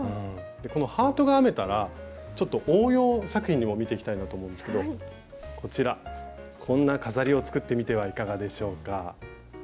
このハートが編めたらちょっと応用作品も見ていきたいなと思うんですけどこちらこんな飾りを作ってみてはいかがでしょうか。